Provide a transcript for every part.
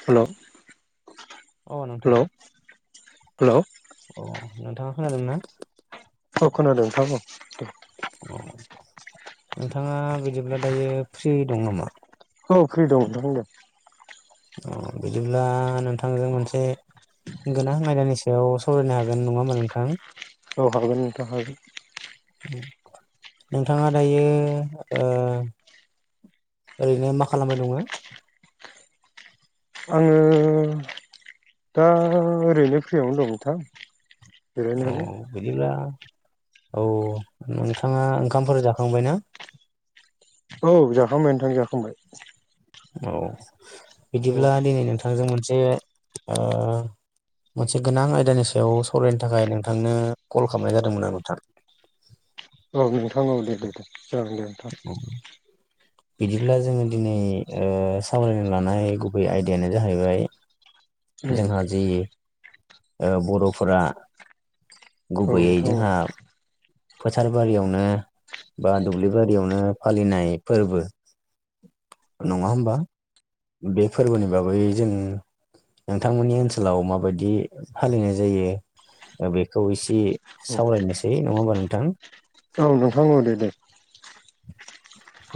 हेल' नोंथां अ नोंथां हेल' हेल' अ नोंथाङा खोनादों ना? [unintelligible] औ नोंथाङा बिदिब्ला दायो फ्रि दं नामा? औ फ्रि दं नोंथां दे। अ बिदिब्ला नोंथांजों मोनसे गोनां आयदानि सायाव सावरायनो हागोन नङा होमबा नोंथां? औ हागोन नोंथां हागोन। नोंथाङा दायो ओ ओरैनो मा खालामबाय दङो? आङो दा ओरैनो फ्रियावनो दं नोंथां। औ जिरायनानै बिदिब्ला औ नोंथाङा ओंखामफोर जाखांबाय ना? औ जाखांबाय नोंथां जाखांबाय। औ औ बिदिब्ला दिनै नोंथांजों मोनसे ओ मोनसे गोनां आयदानि सायाव सावरायनो थाखाय नोंथांनो कल खालामनाय जादोंमोन आं नोंथां। औ नोंथां औ दे दे दे जागोन दे नोंथां। ए बिदिब्ला जोङो दिनै ओ सावरायनो लानाय गुबै आयदायानो जाहैबाय जोंहा जि ओ बर'फोरा औ गुबैयै नोंथां औ जोंहा फोथार बारियावनो बा दुब्लि बारियावनो फालिनाय फोरबो। नङा होमबा बे फोरबोनि बागै जों नोंथांमोननि ओनसोलाव माबायदि फालिनाय जायो ओ बे खौ इसे सावरायनोसै नङा होमबा नोंथां? औ नोंथां औ दे दे।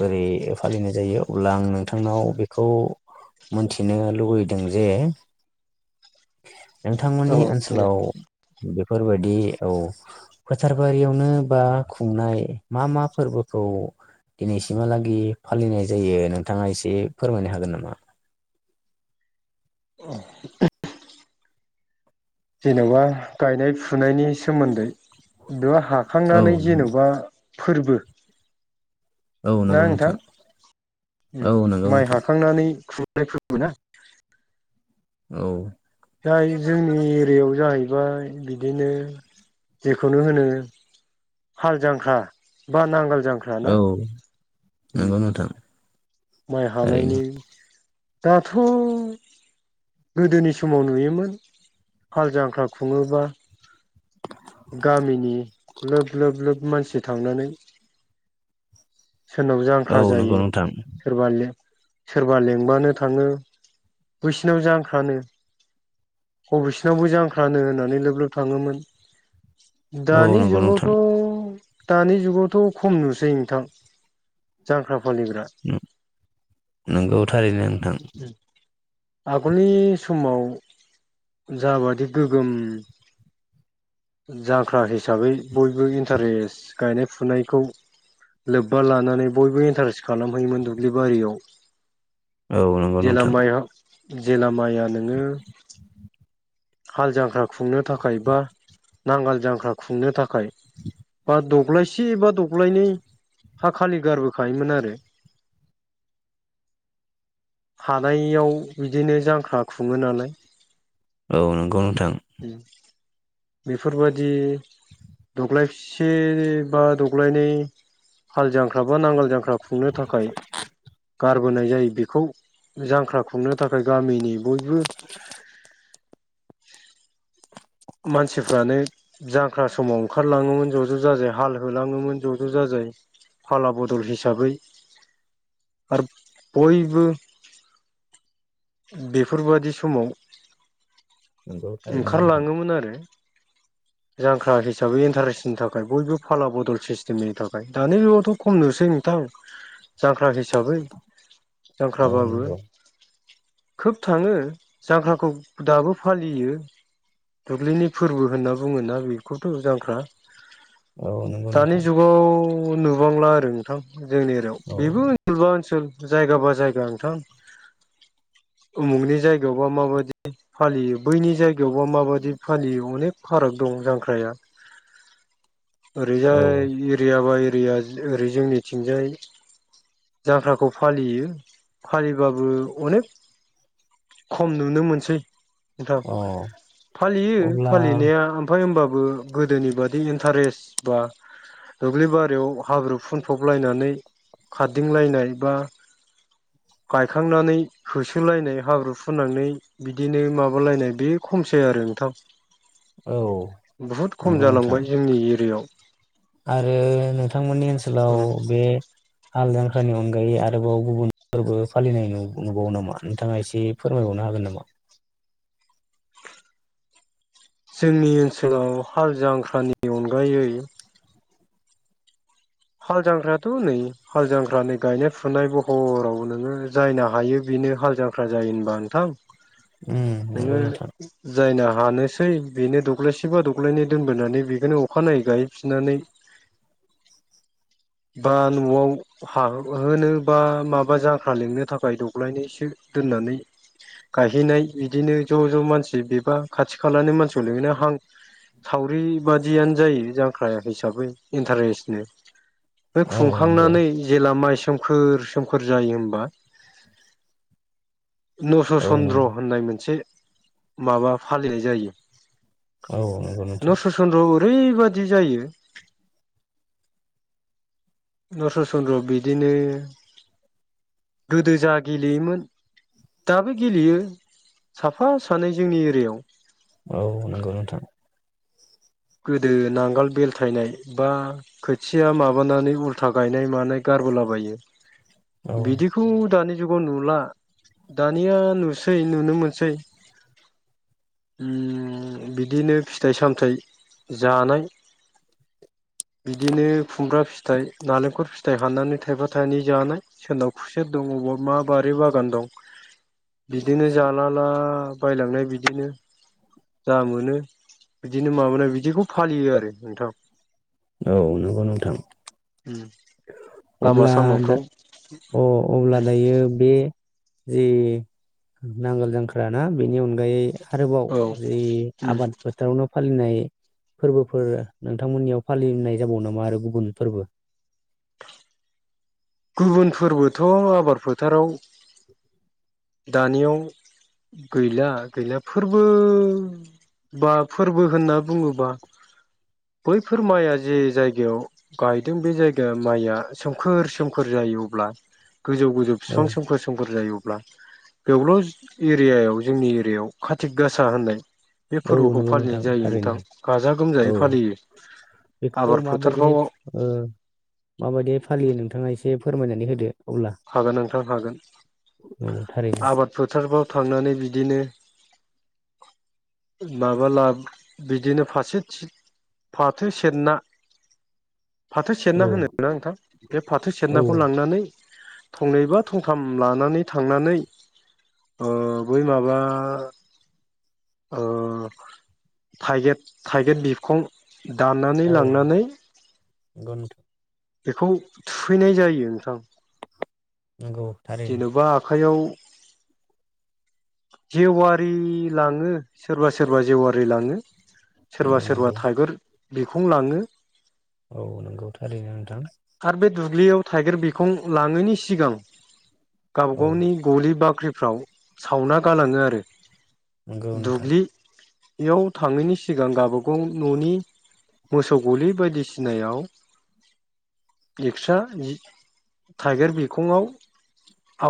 बोरै फालिनाय जायो अब्ला आं नोंथांनाव बेखौ मोनथिनो लुुबैदों जे औ नोंथांमोननि दे ओनसोलाव बेफोरबायदि औ फोथार बारियावनो बा खुंनाय मा मा फोरबोखौ दिनैसिमहालागि फालिनाय जायो नोंथाङा इसे फोरमायनो हागोन नामा? [unintelligible] जेन'बा गायनाय फुनायनि सोमोन्दै बेयाव औ हाखांनानै जेन'बा फोरबो औ ना नंगौ नोंथां ओम औ नंगौ माइ नोंथां हाखांनानै खुर [inaudible] औ जाय जोंनि एरियायाव जाहैबाय बिदिनो जेखौनो होनो हाल जांख्रा बा नांगोल जांख्रा ना औ उम नंगौ नोंथां। माइ थारैनो हानायनि दाथ' गोदोनि समाव नुयोमोन हाल जांख्रा खुङोबा गामिनि लोब लोब लोब मानसि थांनानै सोरनाव औ जांख्रा नंगौ जायो नोंथां सोरबा लें सोरबा लेंबानो थाङो बैसिनाव जांख्रानो ह' बैसिनावबो जांख्रानो होननानै लोब लोब थाङोमोन। औ दानि नंगौ नोंथां जुगावथ' दानि जुगावथ' खम नुसै नोंथां जांख्रा फालिग्रा [unintelligible] नोंगौ थारैनो नोंथां। आगलनि समाव जाबादि गोगोम जांख्रा हिसाबै बयबो इन्टारेस्ट गायनाय फुनायखौ लोब्बा लानानै बयबो इन्टारेस्ट खालामहैयोमोन दुब्लि बारियाव। औ नंगौ जेला नोंथां माइया जेला माइया नोङो हाल जांख्रा खुंनो थाखाय बा नांगोल जांख्रा खुंनो थाखाय बा दब्लायसे। बा दब्लायनै हा खालि गारबोखायोमोन आरो [inaudible] हानायाव बिदिनो जांख्रा खुङो नालाय। औ नंगौ नोंथां। ओम। बेफोरबायदि दग्लायसे बा दग्लायनै हाल जांख्रा बा नांगाल जांख्रा खुंनो थाखाय गारबोनाय जायो बेखौ जांख्रा खुंनो थाखाय गामिनि बयबो। [unintelligible] मानसिफ्रानो जांख्रा समाव ओंखारलाङोमोन ज' ज' जाजाय हाल होलाङोमोन ज' ज' जाजाय। फाला बदल हिसाबै आरो बयबो बेफोरबादि समाव नंगौ थारैनो नोंथां ओंखारलाङोमोन। आरो। [unintelligible] [inaudible] जांख्रा हिसाबै इन्टारेस्टनि थाखाय बयबो फाला बदल सिस्टेमनि थाखाय दानि बेथ' खमनोसै नोंथां। [inaudible] जांख्रा हिसाबै औ जांख्राबाबो नंगौ खोब थाङो जांख्राखौ दाबो फालियो। दुब्लिनि फोरबो होनना बुङोना बेखौथ' जांख्रा औ नंगौ दानि नोंथां जुगाव नुबांला आरो नोंथां जोंनि एरियाव औ बेबो ओनसोलबा ओनसोल जायगा बा जायगा नोंथां। उमुगनि जायगायावबा माबायदि फालियो बैनि जायगायावबा माबायदि फालियो अनेक फाराग दं जांख्राया औ ओरैजाय एरिया बाय। एरिया ओरै जोंनिथिंजाय जांक्राखौ फालियो फालिबाबो अनेक खम नुनो मोनसै। नोंथां अ फालियो अब्ला फालिनाया ओमफाय होमबाबो गोदोनि बादि इन्टारेस्ट दा दुब्लिबारियाव हाब्रु फुनफबलायनानै खारदिंलायनाय बा गायखांनानै होसोलायनाय हाब्रु फुननानै बिदिनो माबालायनाय बे खमसै आरो नोंथां। औ बुहुद खम नंगौ नोंथां। जालांबाय जोंनि एरियायाव आरो नोंथांमोननि ओनसोलाव उम बे हाल जांख्रानि अनगायै आरोबाव गुबुन फोरबो फालिनाय नुबावो नामा? नोंथाङा एसे फोरमायबावनो हागोन नामा? जोंनि ओनसोलाव हाल जांख्रानि अनगायै हाल जांख्रायाथ' नै हाल जांख्र नै गायनाय फुनाय बहराव नोङो जायनो हायो बिनो हाल जाख्रा जायो होनबा नोंथां। [unintelligible] नंगौ नोंथां [unintelligible] जायना हानोसै बेनो दब्लायसेबा दब्लायनै दोनबोनानै बेखौनो अखानायै गायफिननानै बा न'आव हा होनो बा माबा जांख्रा लिंनो थाखाय दग्लायनायसो दोननानै गायहैनाय बिदिनो ज' ज' मानसि बेबा खाथि खालानि मानसियाव लिंहैनाय [unintelligible] सावरि बादियानो जायो जांख्रा हिसाबै इन्टारेस्टनो बे औ नंगौ खुंखांनानै जेला माइ सोमखोर- सोमखोर जायो होमबा। नस औ चन्द्र नंगौ होननाय मोनसे माबा फालिनाय जायो। औ नंगौ नोंथां। चन्द्र'आव ओरैबायदि जायो। नसत' चन्द्र' आव बिदिनो गोदो जा गेलेयोमोन दाबो गेलेयो साफा सानै जोंनि एरियायाव। औ नंगौ नोंथां। [unintelligible] नांगोल बेलथायनाय बा खोथिया माबानानै उल्था गायनाय मानाय गारबोलाबायो औ बिदिखौ दानि जुगाव नुला। दानिया नुसै नुनो मोनसै। उम बिदिनो फिथाइ - सामथाइ जानाय। [unintelligible] बिदिनो खुमब्रा फिथाइ नालेंखर फिथाइ हाननानै थाइफा थाइनै जानो सोरनाव खुसेर दं अबावबा मा बारि बागान दं बिदिनो जालाला बायलांनाय बिदिनो जा मोनो बिदिनो माबानाय बिदि बिदिखौ फालियो आरो नोंथां। औ नंगौ नोंथां। ओम। अब्ला दा अ अब्ला उम दायो बे जि नांगोल जांख्राना बेनि [unintelligible] आरोबाव औ जि उम आबाद [unintelligible] [unintelligible] फालिनाय फोरबोफोर नोंथांमोननियाव फालिनाय जाबाव नामा आरो गुबुन फोरबो? गुबुनफोरबोथ' आबाद फोथाराव दानियाव गैला- गैला फोरबो बा फोरबो होनना बुङोबा बैफोर माया जे जायगायाव गायदों बे जायगाया माइया सोमखोर- सोमखोर जायो अब्ला गोजौ -गोजौ औ बिफां सोमखोर - सोमखोर जायो। बेवल' एरियायाव जोंनि एरियायाव कातिक गासा होननाय बे औ फोरबोखौ नंगौ फालिनाय नोंथां जायो नोंथां थारैनो गाजा- औ गोमजायै फालियो। बेखौ आबाद माबायदिहाय फोथारफ्राव ओ माबायदि फालियो नोंथाङा एसे फोरमायनानै होदो। अब्ला हागोन नोंथां हागोन। औ थारैनो आबाद फोथारफ्राव थांनानै बिदिनो माबाला बिदिनो फारसेथि फाथो सेरना फाथो औ सेरना होनोना नोंथां बे फाथो सेरनाखौ औ लांनानै थंनै बा थंथाम लानानै थांनानै ओ बै माबा ओ थाइगेद थाइगिर बिखं दाननानै औ लांनानै नंगौ नोंथां बेखौ थुहैनाय जायो नोंथां। नोंगौ। जेन' [inaudible] जेवारि लाङो सोरबा सोरबा जेवारि लाङो। औ सोरबा सोरबा नंगौ थाइगिर बिखं लाङो। औ नोंगौ थारैनो नोंथां। आरो बे दुब्लियाव थाइगिर बिखं लाङैनि सिगां गाव औ बागावनि गलि बाख्रिफ्राव सावना गालाङो आरो नंगौ नोंथां दुब्लि बेयाव थांनायनि सिगां गावबागाव न'नि मोसौ गलि बायदिसिनायाव [unintelligible] थाइगिर बिखंङाव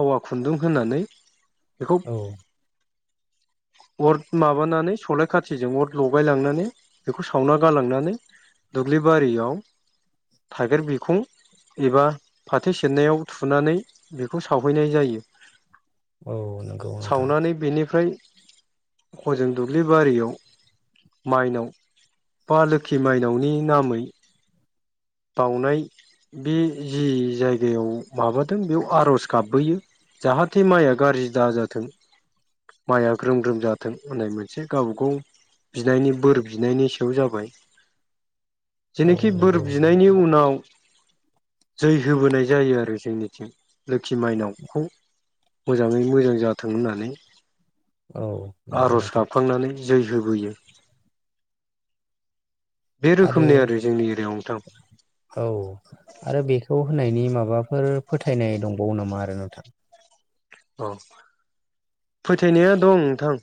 आवा खुन्दुं होनानै बेखौ [inaudible] अर माबानानै सलाय खाथिजों अर लगाय लांनानै बेखौ सावना गालांनानै। दुब्लि बारियाव थाइगेर बिखं एबा फेाथै सेरनायाव थुनानै बेखौ सावहैनाय जायो। औ नंगौ नोंथां सावनानै बेनिफ्राय हजों दुब्लि बारियाव माइनाव बा लोखि माइनावनि नामै बावनाय बे जि जायगायाव माबादों बेयाव आर'ज गाबबोयो। जाहाथे माइया गाज्रि दाजाथों माइया ग्रोम ग्रोम जाथों होननाय मोनसे गावबागाव बिनायनि बोर बिनायनि सायाव जाबाय। [inaudible] जेनोखि बोर नंगौ बिनायनि उना व जै होबोनाय जायो आरो जोंनिथिं लोखि माइनावखौ। मोजाङै मोजां जाथों होननानै औ नंगौ आर'ज नोंथां गाबखांनानै जै होबोयो बे रोखोमनि आरो जोंनि एरियायाव। नोंथां औ आरो बेखौ होनायनि माबाफोर फोथायनाय दंबावो नामा आरो नोंथां? औ फोथायनाया दं नोंथां।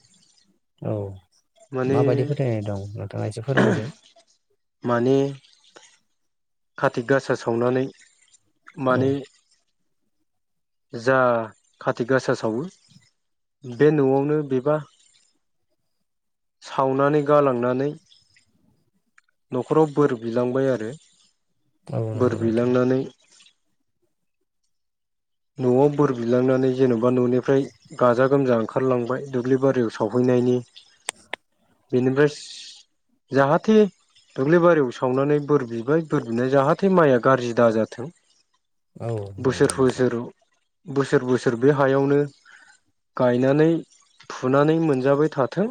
औ माने माबायदि फोथायनाय दं? नोंथाङा एसे फोरमायदो माने कार्तिक गासा सावनानै औ माने जा काति गासा सावो बे न'आवनो बेबा सावनानै गालांनानै न'खराव बोर बिलांबाय आरो औ नंगौ बोर नोंथां बिलांनानै न'आव बोर बिलांनानै जेन'बा न'निफ्राय गाजा गोमजा ओंखारलांबाय दुब्लि बारियाव सावहैनायनि। बेनिफ्राय जाहाथे दुब्लिबारियाव सावनानै बोर बिबाय बोर बिना जाहाथे माइया गाज्रि दा जाथों। औ औ [unintelligible] बोसोर बोसोर बे हायावनो गायनानै फुनानै मोनजाबाय थाथों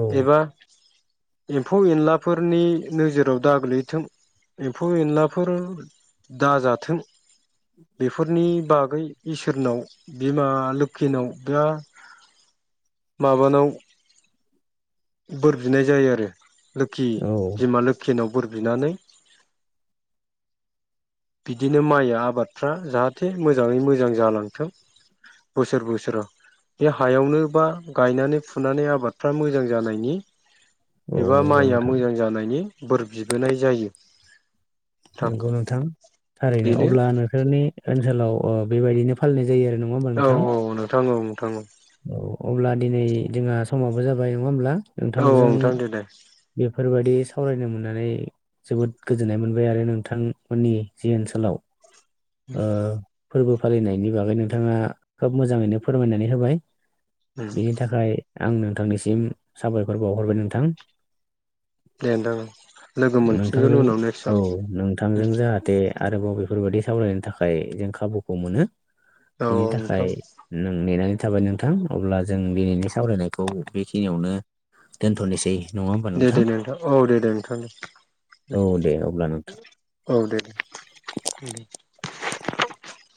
औ एबा एम्फौ एनलाफोरनि नोजोराव दाग गोलैथों एम्फौ एनलाफोर दाजाथों। बेफोरनि बागै इसोरनाव बिमा लोखिनाव बिरा माबानाव बोर बिनाय जायो आरो लोखि औ बिमा लोखिनाव बोर बिनानै बिदिनो माइ आबादफ्रा जाहाथे मोजाङै मोजां जालांथों। बोसोर बोसोर बे हायावनो बा गायनानै फुनानै आबादफ्रा मोजां जानाय नि औ एबा नंगौ माइया नोंथां मोजां जानायनि बोर बिबोनाय जायो। नोंथां नंगौ नांथां थारैनो बेनो अब्ला नोंसोरनि ओनसोलाव ओ बेबायदिनो फालिनाय जायो आरो नङा होमबा औ नोंथां? औ नोंथां औ नोंथां औ अब्ला दिनै जोंहा समाबो जाबाय नङा होमब्ला औ औ नोंथांजों नोंथां दे दे बेफोरबायदि सावरायनो मोननानै जोबोद गोजोननाय मोन बाय आरो नोंथांमोननि जि ओनसोलाव ओ फोरबो फालिनायनि बागै नोंथाङा खोब मोजाङैनो फोरमायनानै होबाय। बिनि थाखाय आं नोंथांनिसिम साबायखर बावहरबाय नोंथां। दे नोंथां लोगो मोनफिनगोन नोंथांजों उनाव औ नोंथांजों नेक्स्टआव जाहा थे आरोबाव बेफोरबायदि सावरायनो थाखाय जों खाबुखौ मोनो औ औ बिनि थाखाय नोंथां नों नेनानै थाबाय नोंथां अब्ला जों दिनैनि सावरायनायखौ बेखिनियावनो दोनथ'नोसै। नङा होमबा दे दे नोंथां औ दे दे नोंथां दे। औ दे अब्ला नोंथां औ दे उम। [inaudible]